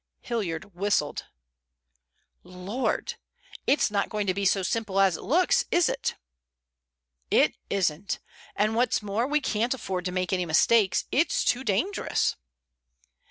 Hilliard whistled. "Lord! It's not going to be so simple as it looks, is it?" "It isn't. And what's more, we can't afford to make any mistakes. It's too dangerous."